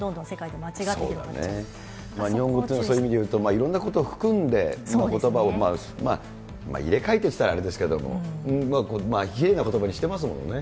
日本語っていうのはそういう意味でいうと、いろんな意味を含んで、ことばを入れ替えてって言ったらあれですけれども、きれいなことばにしてますもんね。